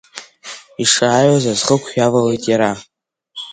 Ишааиуаз аӡхықә иаавалеит иара…